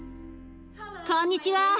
こんにちは。